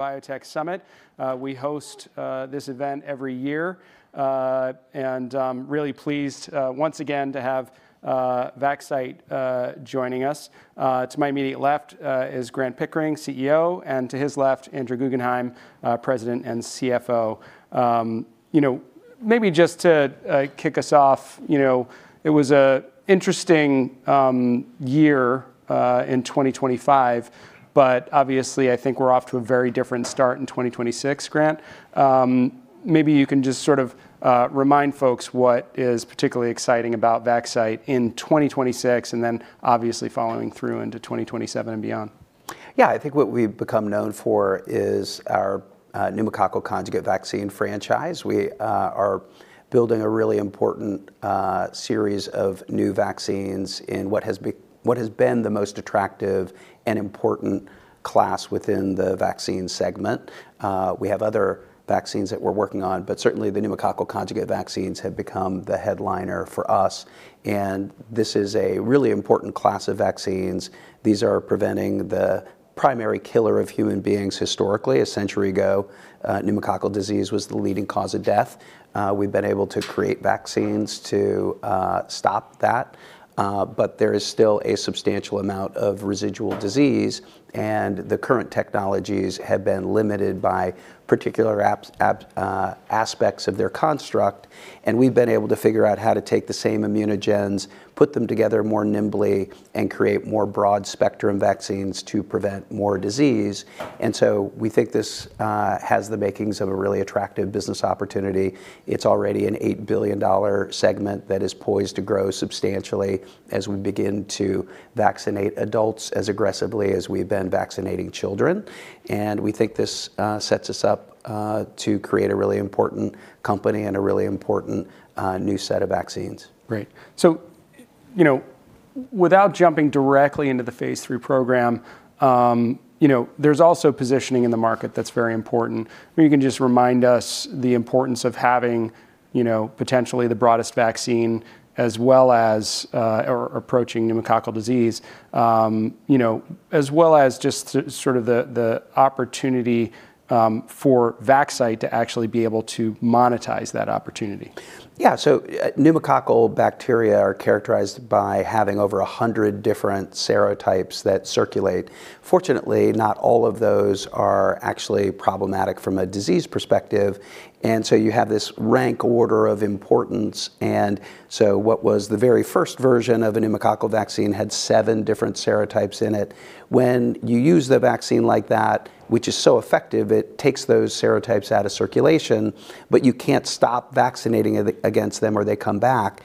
biotech summit. We host this event every year, and I'm really pleased once again to have Vaxcyte joining us. To my immediate left is Grant Pickering, CEO, and to his left, Andrew Guggenhime, President and CFO. You know, maybe just to kick us off, you know, it was an interesting year in 2025, but obviously, I think we're off to a very different start in 2026, Grant. Maybe you can just sort of remind folks what is particularly exciting about Vaxcyte in 2026, and then obviously following through into 2027 and beyond. Yeah, I think what we've become known for is our pneumococcal conjugate vaccine franchise. We are building a really important series of new vaccines in what has been the most attractive and important class within the vaccine segment. We have other vaccines that we're working on, but certainly, the pneumococcal conjugate vaccines have become the headliner for us, and this is a really important class of vaccines. These are preventing the primary killer of human beings historically. A century ago, pneumococcal disease was the leading cause of death. We've been able to create vaccines to stop that, but there is still a substantial amount of residual disease, and the current technologies have been limited by particular aspects of their construct. And we've been able to figure out how to take the same immunogens, put them together more nimbly, and create more broad-spectrum vaccines to prevent more disease. And so we think this has the makings of a really attractive business opportunity. It's already an $8 billion segment that is poised to grow substantially as we begin to vaccinate adults as aggressively as we've been vaccinating children. And we think this sets us up to create a really important company and a really important new set of vaccines. Great. So, you know, without jumping directly into the phase 3 program, you know, there's also positioning in the market that's very important. Maybe you can just remind us the importance of having, you know, potentially the broadest vaccine as well as, or approaching pneumococcal disease, you know, as well as just sort of the, the opportunity, for Vaxcyte to actually be able to monetize that opportunity. Yeah, so, pneumococcal bacteria are characterized by having over 100 different serotypes that circulate. Fortunately, not all of those are actually problematic from a disease perspective, and so you have this rank order of importance. And so what was the very first version of a pneumococcal vaccine had 7 different serotypes in it. When you use the vaccine like that, which is so effective, it takes those serotypes out of circulation, but you can't stop vaccinating against them, or they come back.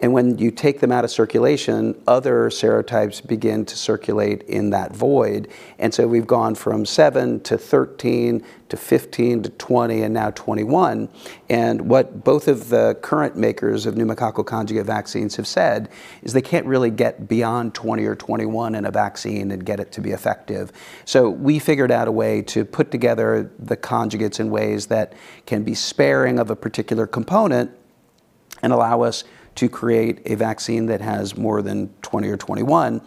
And when you take them out of circulation, other serotypes begin to circulate in that void. And so we've gone from 7-13-15, 20, and now 21. And what both of the current makers of pneumococcal conjugate vaccines have said is they can't really get beyond 20 or 21 in a vaccine and get it to be effective. We figured out a way to put together the conjugates in ways that can be sparing of a particular component and allow us to create a vaccine that has more than 20 or 21.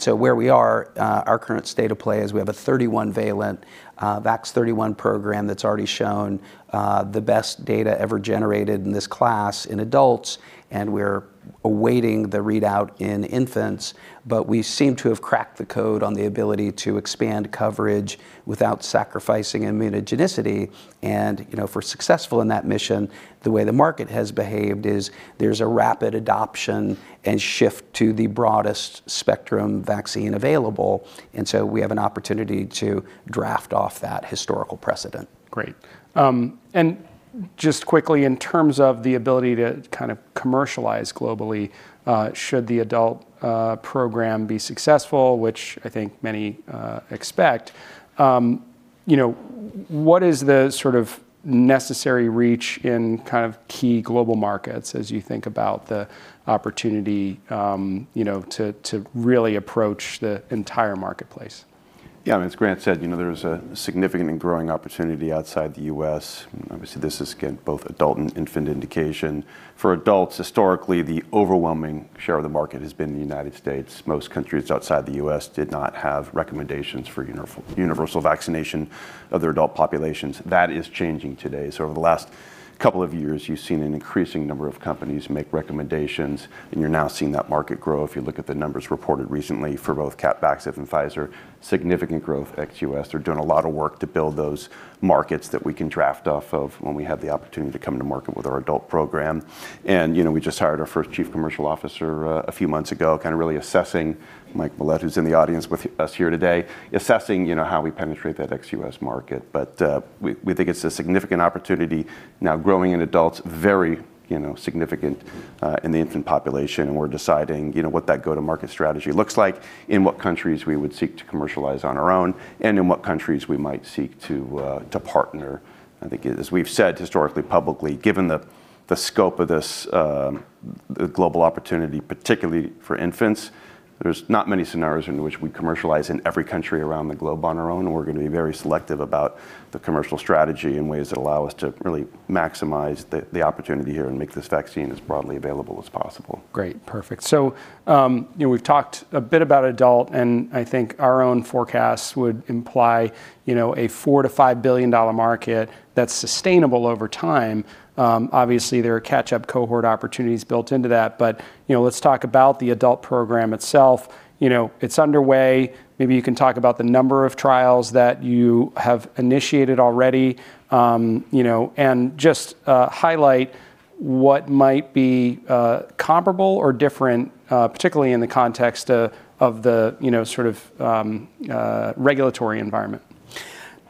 So where we are, our current state of play is we have a 31-valent VAX-31 program that's already shown the best data ever generated in this class in adults, and we're awaiting the readout in infants. But we seem to have cracked the code on the ability to expand coverage without sacrificing immunogenicity. And, you know, if we're successful in that mission, the way the market has behaved is there's a rapid adoption and shift to the broadest-spectrum vaccine available, and so we have an opportunity to draft off that historical precedent. Great. And just quickly, in terms of the ability to kind of commercialize globally, should the adult program be successful, which I think many expect, you know, what is the sort of necessary reach in kind of key global markets as you think about the opportunity, you know, to really approach the entire marketplace? Yeah, I mean, as Grant said, you know, there's a significant and growing opportunity outside the U.S. Obviously, this is, again, both adult and infant indication. For adults, historically, the overwhelming share of the market has been in the United States. Most countries outside the U.S. did not have recommendations for universal vaccination of their adult populations. That is changing today. So over the last couple of years, you've seen an increasing number of companies make recommendations, and you're now seeing that market grow. If you look at the numbers reported recently for both CAPVAXIVE and Pfizer, significant growth ex-U.S. They're doing a lot of work to build those markets that we can draft off of when we have the opportunity to come to market with our adult program. You know, we just hired our first Chief Commercial Officer a few months ago, kind of really assessing... Mike Mullette, who's in the audience with us here today, assessing, you know, how we penetrate that ex-US market. But we think it's a significant opportunity now growing in adults, very, you know, significant in the infant population. We're deciding, you know, what that go-to-market strategy looks like, in what countries we would seek to commercialize on our own, and in what countries we might seek to partner. I think, as we've said historically, publicly, given the scope of this,... the global opportunity, particularly for infants. There's not many scenarios in which we commercialize in every country around the globe on our own. We're gonna be very selective about the commercial strategy in ways that allow us to really maximize the opportunity here and make this vaccine as broadly available as possible. Great, perfect. So, you know, we've talked a bit about adult, and I think our own forecasts would imply, you know, a $4 billion-$5 billion market that's sustainable over time. Obviously, there are catch-up cohort opportunities built into that, but, you know, let's talk about the adult program itself. You know, it's underway. Maybe you can talk about the number of trials that you have initiated already, you know, and just highlight what might be comparable or different, particularly in the context of the, you know, sort of regulatory environment.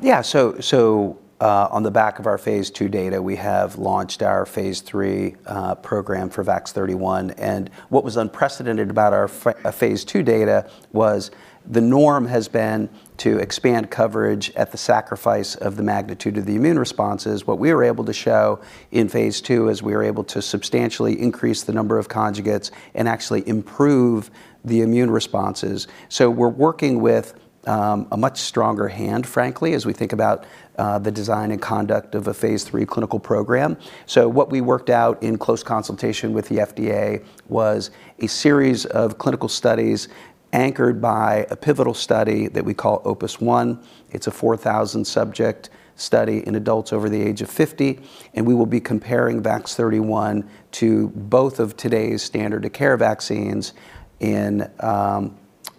Yeah. So, on the back of our phase 2 data, we have launched our phase 3 program for VAX-31, and what was unprecedented about our phase 2 data was the norm has been to expand coverage at the sacrifice of the magnitude of the immune responses. What we were able to show in phase 2 is we were able to substantially increase the number of conjugates and actually improve the immune responses. So we're working with a much stronger hand, frankly, as we think about the design and conduct of a phase 3 clinical program. So what we worked out in close consultation with the FDA was a series of clinical studies anchored by a pivotal study that we call OPUS-1. It's a 4,000-subject study in adults over the age of 50, and we will be comparing VAX-31 to both of today's standard-of-care vaccines in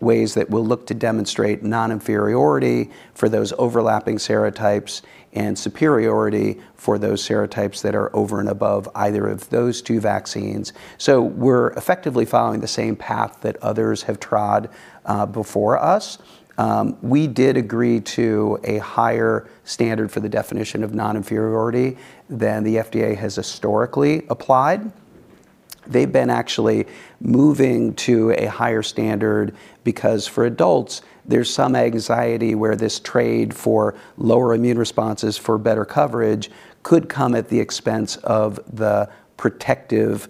ways that will look to demonstrate non-inferiority for those overlapping serotypes and superiority for those serotypes that are over and above either of those two vaccines. So we're effectively following the same path that others have trod before us. We did agree to a higher standard for the definition of non-inferiority than the FDA has historically applied. They've been actually moving to a higher standard, because for adults, there's some anxiety where this trade for lower immune responses for better coverage could come at the expense of the protective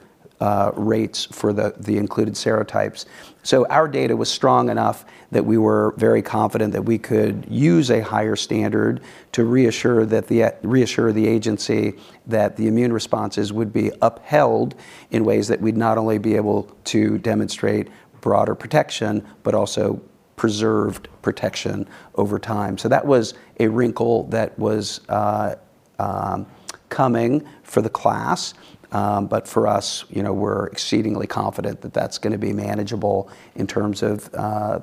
rates for the included serotypes. So our data was strong enough that we were very confident that we could use a higher standard to reassure the agency that the immune responses would be upheld in ways that we'd not only be able to demonstrate broader protection, but also preserved protection over time. So that was a wrinkle that was coming for the class. But for us, you know, we're exceedingly confident that that's gonna be manageable in terms of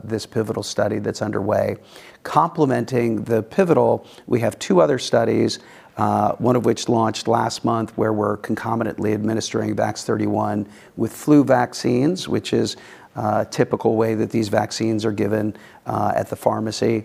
this pivotal study that's underway. Complementing the pivotal, we have two other studies, one of which launched last month, where we're concomitantly administering VAX-31 with flu vaccines, which is a typical way that these vaccines are given at the pharmacy.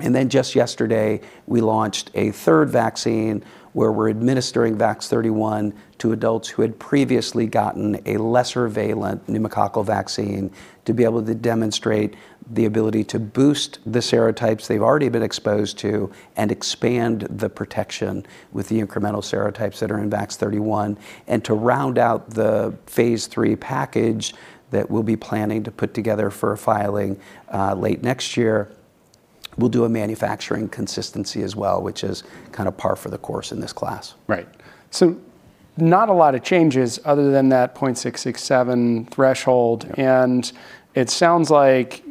And then just yesterday, we launched a third vaccine, where we're administering VAX-31 to adults who had previously gotten a lesser valent pneumococcal vaccine, to be able to demonstrate the ability to boost the serotypes they've already been exposed to and expand the protection with the incremental serotypes that are in VAX-31. And to round out the Phase 3 package that we'll be planning to put together for a filing, late next year, we'll do a manufacturing consistency as well, which is kind of par for the course in this class. Right. So not a lot of changes other than that 0.667 threshold. Yeah. And it sounds like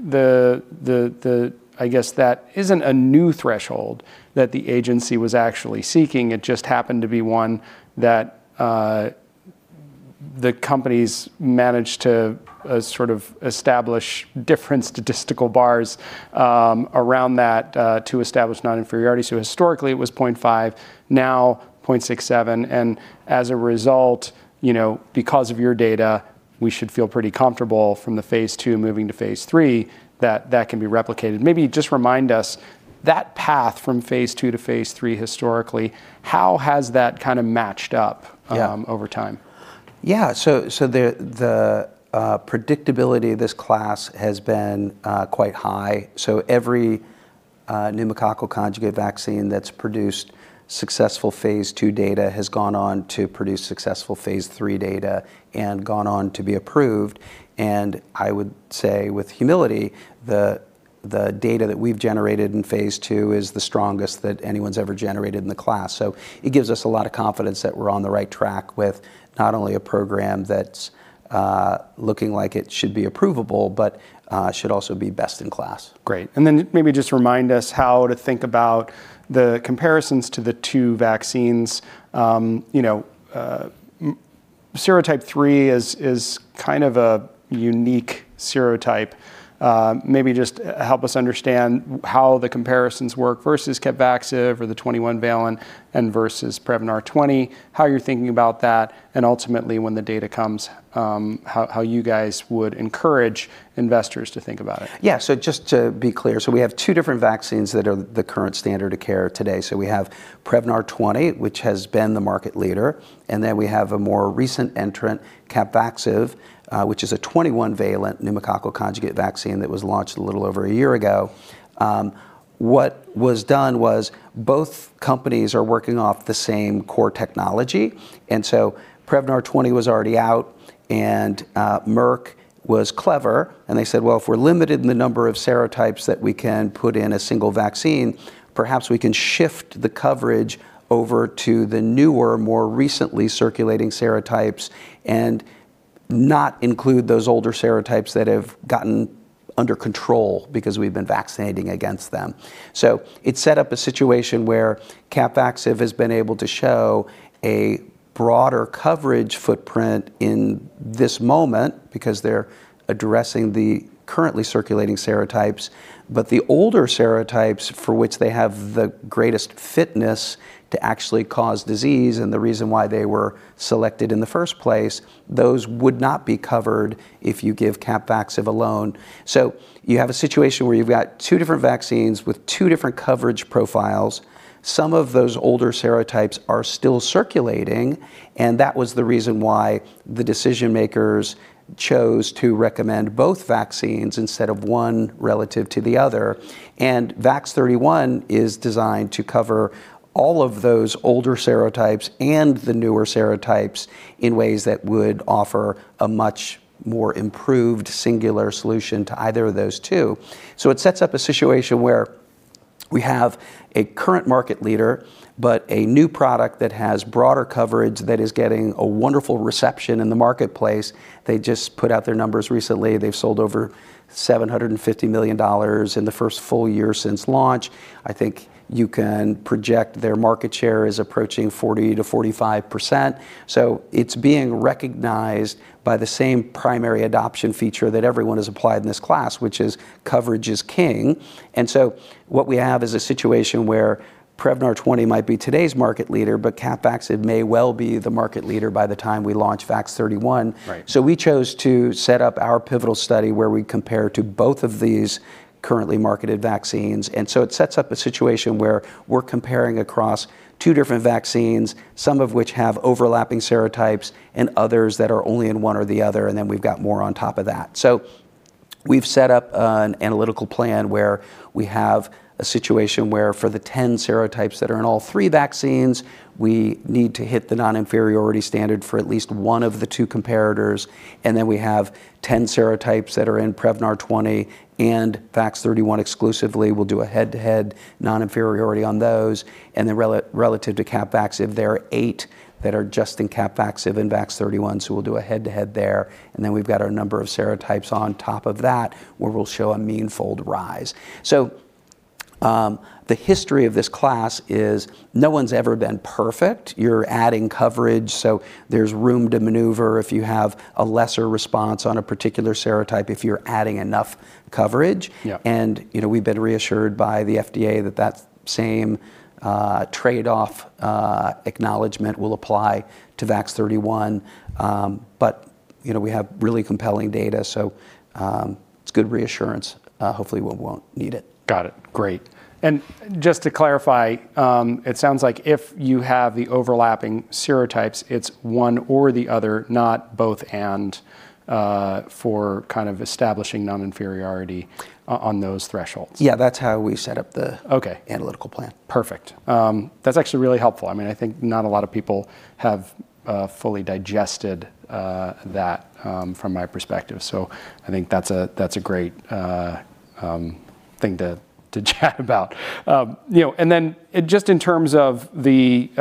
I guess that isn't a new threshold that the agency was actually seeking. It just happened to be one that the companies managed to sort of establish different statistical bars around that to establish non-inferiority. So historically, it was 0.5, now 0.67, and as a result, you know, because of your data, we should feel pretty comfortable from the phase 2 moving to phase 3, that that can be replicated. Maybe just remind us, that path from phase 2-phase 3 historically, how has that kind of matched up- Yeah... over time? Yeah, so the predictability of this class has been quite high. So every pneumococcal conjugate vaccine that's produced successful phase 2 data has gone on to produce successful phase 3 data and gone on to be approved. And I would say with humility, the data that we've generated in phase 2 is the strongest that anyone's ever generated in the class. So it gives us a lot of confidence that we're on the right track with not only a program that's looking like it should be approvable, but should also be best-in-class. Great. And then maybe just remind us how to think about the comparisons to the two vaccines. You know, serotype 3 is kind of a unique serotype. Maybe just help us understand how the comparisons work versus CAPVAXIVE or the 21-valent, and versus Prevnar 20, how you're thinking about that, and ultimately, when the data comes, how you guys would encourage investors to think about it. Yeah, so just to be clear, so we have two different vaccines that are the current standard of care today. So we have Prevnar 20, which has been the market leader, and then we have a more recent entrant, CAPVAXIVE, which is a 21-valent pneumococcal conjugate vaccine that was launched a little over a year ago. What was done was both companies are working off the same core technology, and so Prevnar 20 was already out, and, Merck was clever, and they said: Well, if we're limited in the number of serotypes that we can put in a single vaccine, perhaps we can shift the coverage over to the newer, more recently circulating serotypes and not include those older serotypes that have gotten under control because we've been vaccinating against them. So it set up a situation where CAPVAXIVE has been able to show a broader coverage footprint in this moment because they're addressing the currently circulating serotypes, but the older serotypes for which they have the greatest fitness to actually cause disease, and the reason why they were selected in the first place, those would not be covered if you give CAPVAXIVE alone. So you have a situation where you've got two different vaccines with two different coverage profiles. Some of those older serotypes are still circulating, and that was the reason why the decision-makers chose to recommend both vaccines instead of one relative to the other. VAX-31 is designed to cover all of those older serotypes and the newer serotypes in ways that would offer a much more improved singular solution to either of those two. So it sets up a situation where we have a current market leader, but a new product that has broader coverage, that is getting a wonderful reception in the marketplace. They just put out their numbers recently. They've sold over $750 million in the first full year since launch. I think you can project their market share is approaching 40%-45%. So it's being recognized by the same primary adoption feature that everyone has applied in this class, which is coverage is king. And so what we have is a situation where Prevnar 20 might be today's market leader, but CAPVAXIVE, it may well be the market leader by the time we launch VAX-31. Right. We chose to set up our pivotal study, where we compare to both of these currently marketed vaccines. It sets up a situation where we're comparing across two different vaccines, some of which have overlapping serotypes and others that are only in one or the other, and then we've got more on top of that. We've set up an analytical plan, where we have a situation where for the 10 serotypes that are in all three vaccines, we need to hit the non-inferiority standard for at least one of the two comparators, and then we have 10 serotypes that are in Prevnar 20 and VAX-31 exclusively. We'll do a head-to-head non-inferiority on those, and then relative to CAPVAXIVE, there are eight that are just in CAPVAXIVE and VAX-31, so we'll do a head-to-head there, and then we've got our number of serotypes on top of that, where we'll show a mean fold rise. So, the history of this class is no one's ever been perfect. You're adding coverage, so there's room to maneuver if you have a lesser response on a particular serotype, if you're adding enough coverage. Yeah. You know, we've been reassured by the FDA that that same trade-off acknowledgement will apply to VAX-31. But, you know, we have really compelling data, so it's good reassurance. Hopefully, we won't need it. Got it. Great. And just to clarify, it sounds like if you have the overlapping serotypes, it's one or the other, not both end, for kind of establishing non-inferiority on those thresholds. Yeah, that's how we set up the- Okay... analytical plan. Perfect. That's actually really helpful. I mean, I think not a lot of people have fully digested that from my perspective. So I think that's a great thing to chat about. You know, and then just in terms of the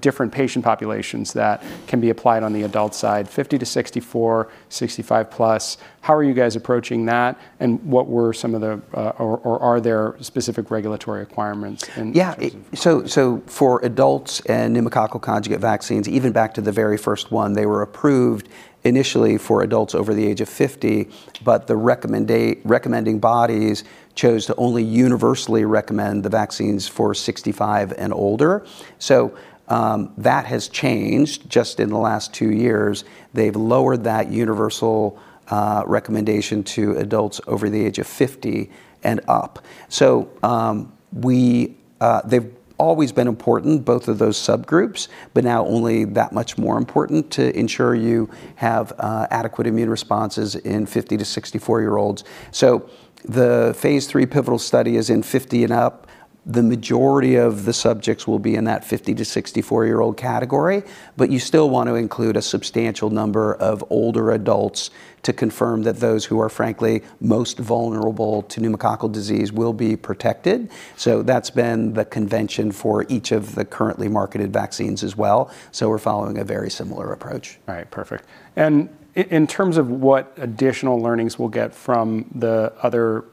different patient populations that can be applied on the adult side, 50-64, 65+, how are you guys approaching that? And what were some of the specific regulatory requirements in- Yeah. So, so for adults and pneumococcal conjugate vaccines, even back to the very first one, they were approved initially for adults over the age of 50, but the recommending bodies chose to only universally recommend the vaccines for 65 and older. So, that has changed just in the last two years. They've lowered that universal recommendation to adults over the age of 50 and up. So, we... They've always been important, both of those subgroups, but now only that much more important to ensure you have adequate immune responses in 50-64-year-olds. So the Phase 3 pivotal study is in 50 and up. The majority of the subjects will be in that 50-64-year-old category, but you still want to include a substantial number of older adults to confirm that those who are frankly most vulnerable to pneumococcal disease will be protected. So that's been the convention for each of the currently marketed vaccines as well. So we're following a very similar approach. Right. Perfect. And in terms of what additional learnings we'll get from the other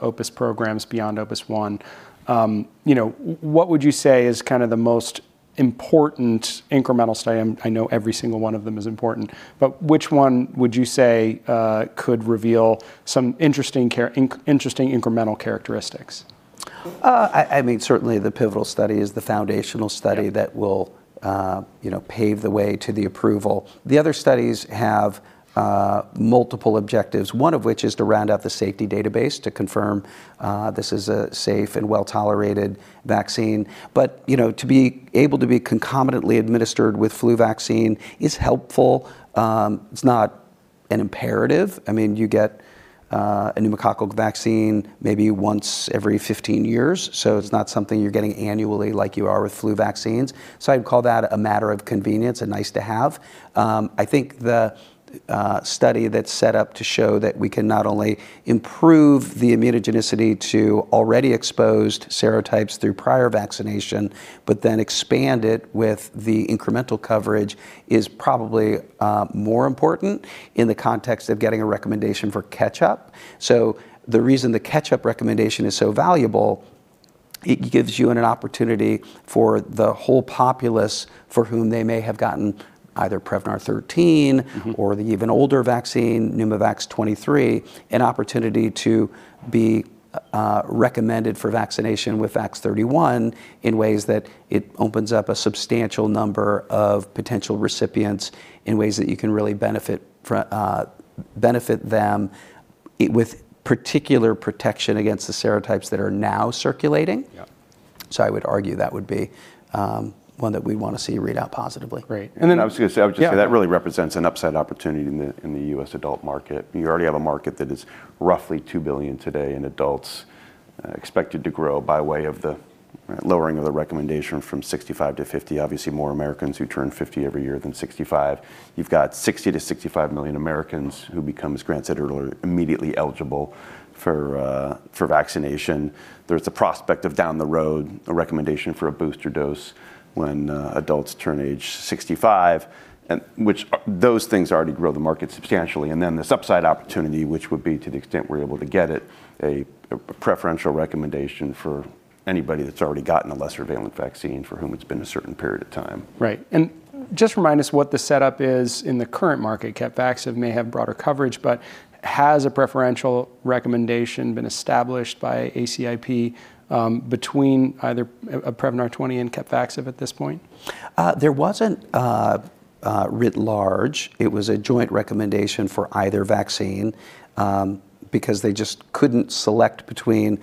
OPUS programs beyond OPUS-1, you know, what would you say is kind of the most important incremental study? I know every single one of them is important, but which one would you say could reveal some interesting incremental characteristics? I mean, certainly, the pivotal study is the foundational study- Yeah... that will, you know, pave the way to the approval. The other studies have multiple objectives, one of which is to round out the safety database to confirm this is a safe and well-tolerated vaccine. But, you know, to be able to be concomitantly administered with flu vaccine is helpful, it's not an imperative. I mean, you get a pneumococcal vaccine maybe once every 15 years, so it's not something you're getting annually like you are with flu vaccines. So I'd call that a matter of convenience and nice to have. I think the study that's set up to show that we can not only improve the immunogenicity to already exposed serotypes through prior vaccination, but then expand it with the incremental coverage, is probably more important in the context of getting a recommendation for catch-up. So the reason the catch-up recommendation is so valuable. It gives you an opportunity for the whole populace for whom they may have gotten either Prevnar 13. Mm-hmm. or the even older vaccine, Pneumovax 23, an opportunity to be recommended for vaccination with VAX-31 in ways that it opens up a substantial number of potential recipients in ways that you can really benefit, benefit them with particular protection against the serotypes that are now circulating. Yeah. So I would argue that would be one that we'd want to see read out positively. Great. And then- I was gonna say- Yeah. I would just say that really represents an upside opportunity in the U.S. adult market. You already have a market that is roughly $2 billion today in adults, expected to grow by way of the lowering of the recommendation from 65-50. Obviously, more Americans who turn 50 every year than 65. You've got 60-65 million Americans who become, as Grant said earlier, immediately eligible for vaccination. There's the prospect of down the road, a recommendation for a booster dose when adults turn age 65, and which those things already grow the market substantially. And then this upside opportunity, which would be, to the extent we're able to get it, a preferential recommendation for anybody that's already gotten a less prevalent vaccine for whom it's been a certain period of time. Right. And just remind us what the setup is in the current market. CAPVAXIVE may have broader coverage, but has a preferential recommendation been established by ACIP between either a Prevnar 20 and CAPVAXIVE at this point? There wasn't writ large. It was a joint recommendation for either vaccine, because they just couldn't select between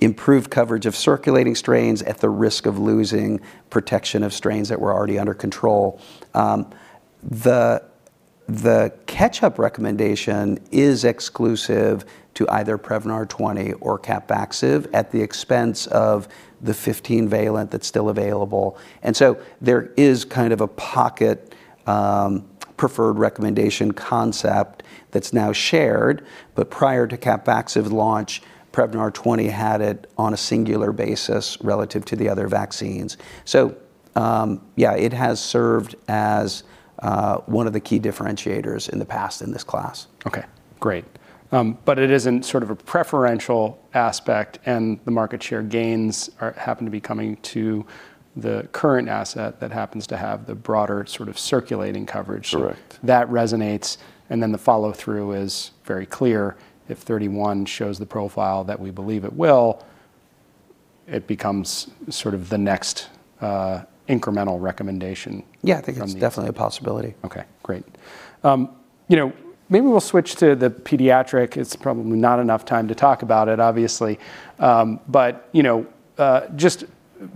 improved coverage of circulating strains at the risk of losing protection of strains that were already under control. The catch-up recommendation is exclusive to either Prevnar 20 or CAPVAXIVE, at the expense of the 15-valent that's still available. And so there is kind of a pocket preferred recommendation concept that's now shared, but prior to CAPVAXIVE launch, Prevnar 20 had it on a singular basis relative to the other vaccines. So, yeah, it has served as one of the key differentiators in the past in this class. Okay, great. But it isn't sort of a preferential aspect, and the market share gains happen to be coming to the current asset that happens to have the broader sort of circulating coverage. Correct. That resonates, and then the follow-through is very clear. If 31 shows the profile that we believe it will, it becomes sort of the next, incremental recommendation. Yeah, I think it's definitely a possibility. Okay, great. You know, maybe we'll switch to the pediatric. It's probably not enough time to talk about it, obviously, but, you know, just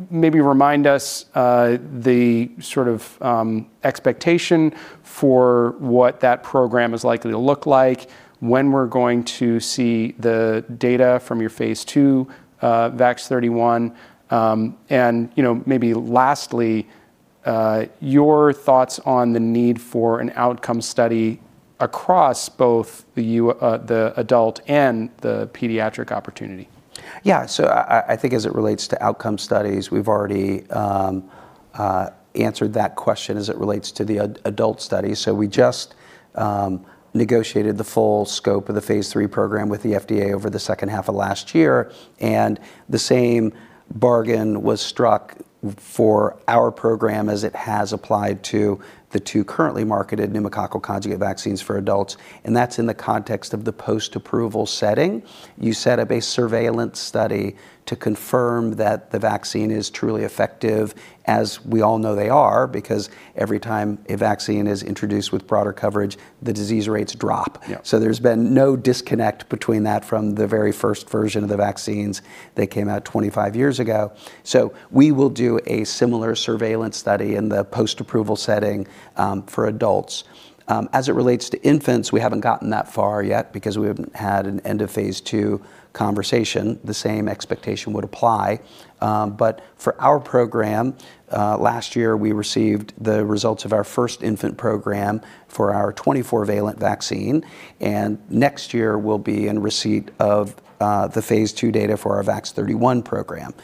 maybe remind us the sort of expectation for what that program is likely to look like, when we're going to see the data from your Phase II VAX-31, and, you know, maybe lastly your thoughts on the need for an outcome study across both the adult and the pediatric opportunity. Yeah, so I think as it relates to outcome studies, we've already answered that question as it relates to the adult study. So we just negotiated the full scope of the phase III program with the FDA over the second half of last year, and the same bargain was struck for our program as it has applied to the two currently marketed pneumococcal conjugate vaccines for adults, and that's in the context of the post-approval setting. You set up a surveillance study to confirm that the vaccine is truly effective, as we all know they are, because every time a vaccine is introduced with broader coverage, the disease rates drop. Yeah. So there's been no disconnect between that from the very first version of the vaccines that came out 25 years ago. We will do a similar surveillance study in the post-approval setting for adults. As it relates to infants, we haven't gotten that far yet because we haven't had an end-of-phase 2 conversation. The same expectation would apply. But for our program, last year, we received the results of our first infant program for our 24-valent vaccine, and next year, we'll be in receipt of the phase 2 data for our VAX-31 program.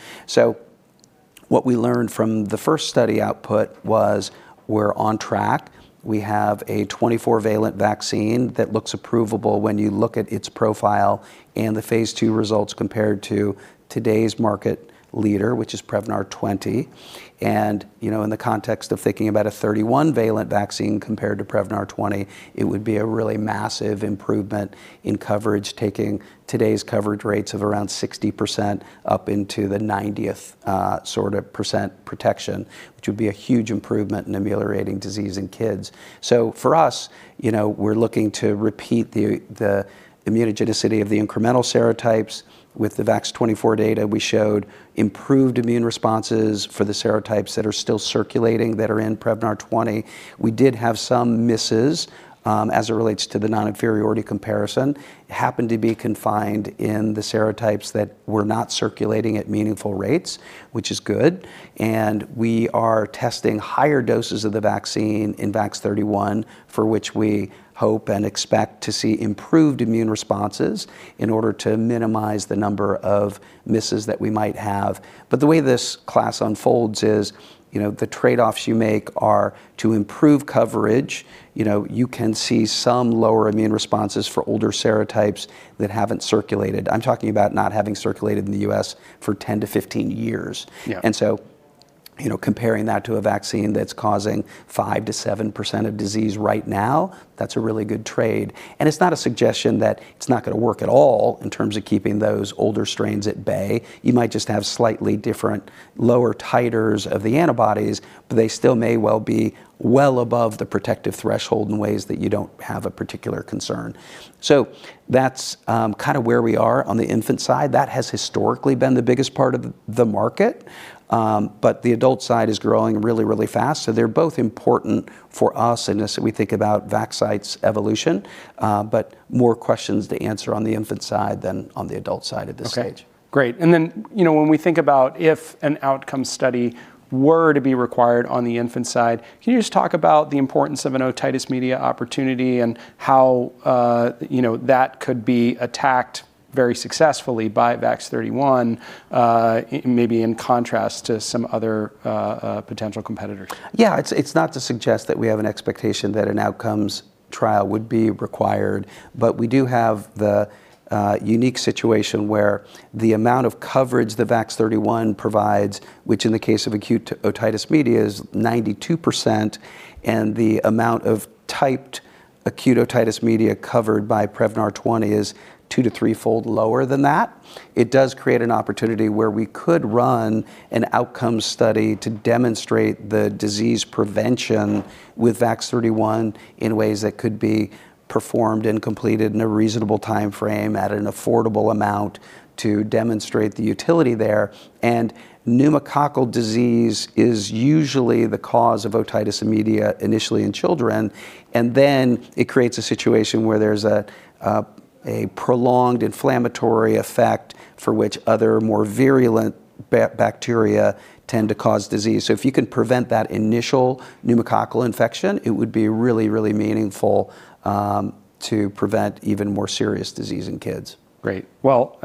What we learned from the first study output was we're on track. We have a 24-valent vaccine that looks approvable when you look at its profile and the phase 2 results compared to today's market leader, which is Prevnar 20. You know, in the context of thinking about a 31-valent vaccine compared to Prevnar 20, it would be a really massive improvement in coverage, taking today's coverage rates of around 60% up into the ninetieth sort of percent protection, which would be a huge improvement in ameliorating disease in kids. So for us, you know, we're looking to repeat the immunogenicity of the incremental serotypes. With the VAX-24 data, we showed improved immune responses for the serotypes that are still circulating, that are in Prevnar 20. We did have some misses, as it relates to the non-inferiority comparison. Happened to be confined in the serotypes that were not circulating at meaningful rates, which is good, and we are testing higher doses of the vaccine in VAX-31, for which we hope and expect to see improved immune responses in order to minimize the number of misses that we might have. But the way this class unfolds is, you know, the trade-offs you make are to improve coverage. You know, you can see some lower immune responses for older serotypes that haven't circulated. I'm talking about not having circulated in the U.S. for 10-15 years. Yeah. And so you know, comparing that to a vaccine that's causing 5%-7% of disease right now, that's a really good trade. And it's not a suggestion that it's not gonna work at all in terms of keeping those older strains at bay. You might just have slightly different lower titers of the antibodies, but they still may well be well above the protective threshold in ways that you don't have a particular concern. So that's kind of where we are on the infant side. That has historically been the biggest part of the market, but the adult side is growing really, really fast, so they're both important for us, and as we think about Vaxcyte's evolution, but more questions to answer on the infant side than on the adult side at this stage. Okay, great. And then, you know, when we think about if an outcome study were to be required on the infant side, can you just talk about the importance of an otitis media opportunity and how, you know, that could be attacked very successfully by VAX-31, maybe in contrast to some other potential competitors? Yeah, it's, it's not to suggest that we have an expectation that an outcomes trial would be required, but we do have the unique situation where the amount of coverage that VAX-31 provides, which in the case of acute otitis media, is 92%, and the amount of typed acute otitis media covered by Prevnar 20 is two- to three-fold lower than that. It does create an opportunity where we could run an outcome study to demonstrate the disease prevention with VAX-31 in ways that could be performed and completed in a reasonable timeframe at an affordable amount to demonstrate the utility there. And pneumococcal disease is usually the cause of otitis media initially in children, and then it creates a situation where there's a prolonged inflammatory effect for which other more virulent bacteria tend to cause disease. If you can prevent that initial pneumococcal infection, it would be really, really meaningful to prevent even more serious disease in kids. Great. Well,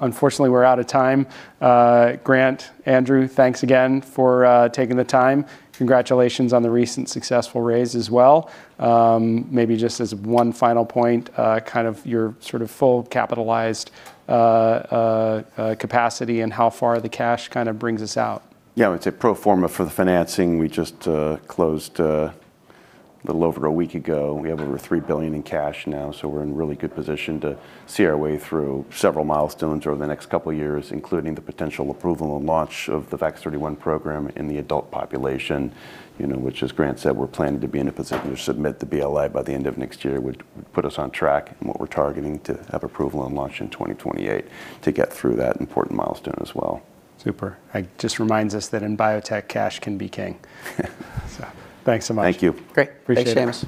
unfortunately, we're out of time. Grant, Andrew, thanks again for taking the time. Congratulations on the recent successful raise as well. Maybe just as one final point, kind of your sort of full capitalized capacity and how far the cash kind of brings us out. Yeah, I would say pro forma for the financing, we just closed a little over a week ago. We have over $3 billion in cash now, so we're in a really good position to see our way through several milestones over the next couple of years, including the potential approval and launch of the VAX-31 program in the adult population, you know, which, as Grant said, we're planning to be in a position to submit the BLA by the end of next year, would put us on track, and what we're targeting to have approval and launch in 2028 to get through that important milestone as well. Super. It just reminds us that in biotech, cash can be king. So thanks so much. Thank you. Great. Appreciate it. Thanks, Seamus.